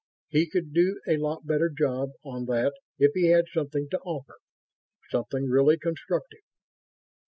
He could do a lot better job on that if he had something to offer ... something really constructive....